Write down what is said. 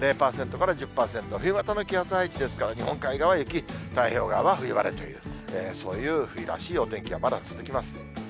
０％から１０％、冬型の気圧配置ですから、日本海側は雪、太平洋側は冬晴れという、そういう冬らしいお天気がまだ続きます。